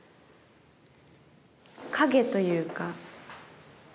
影というか。